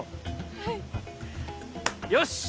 はいよし！